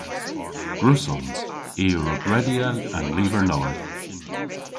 Gwrussons. I a wrug redya an lyver nowydh.